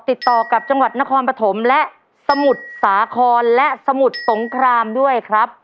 ติดต่อกับจังหวัดนครปฐมและสมุทรสาครและสมุทรสงครามด้วยครับ